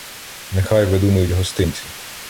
Нехай видумують гостинці